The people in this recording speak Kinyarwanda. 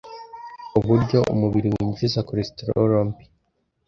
uburyo umubiri winjiza cholesterol mbi